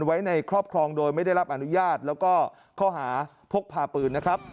ไว้ในครอบครองโดยไม่ได้รับอนุญาตแล้วก็ข้อหาพกพาปืนนะครับ